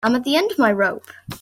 I'm at the end of my rope.